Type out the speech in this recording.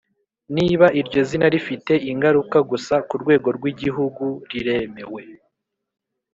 Niba iryo zina rifite ingaruka gusa ku rwego rwi gihugu riremewe.